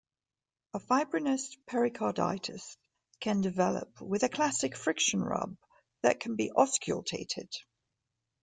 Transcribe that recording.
A fibrinous pericarditis can develop with a classic friction rub that can be auscultated.